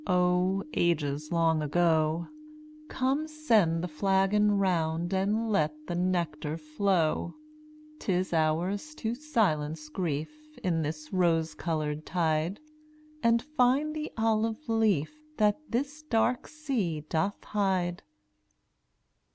Oh, ages long ago, Come, send the flagon round And let the nectar flow; 'Tis ours to silence Grief In this rose colored tide, And find the olive leaf That this dark sea doth hide.